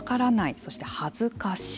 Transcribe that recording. そして恥ずかしい。